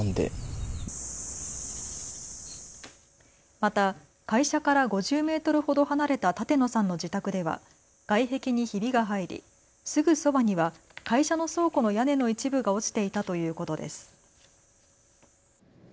また会社から５０メートルほど離れた舘野さんの自宅では外壁にひびが入りすぐそばには会社の倉庫の屋根の一部が落ちていたということです。